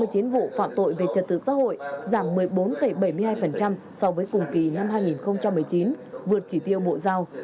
hộ phạm tội về trật tự xã hội giảm một mươi bốn bảy mươi hai so với cùng kỳ năm hai nghìn một mươi chín vượt chỉ tiêu bộ giao